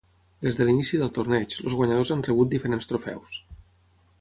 Des de l'inici del torneig, els guanyadors han rebut diferents trofeus.